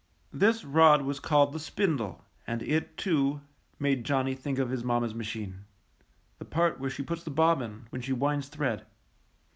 This rod was called the spindle and it, too, made Johnny think of his mammals machine — the part where she puts the bobbin when she winds thread.